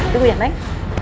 tunggu ya neng